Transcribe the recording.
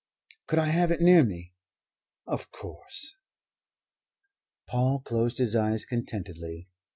"Could I have it near me?" "Of course." Paul closed his eyes contentedly.